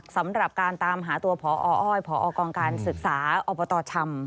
สำหรับการตามหาตัวพออ้อยพอกองการศึกษาอบตชำ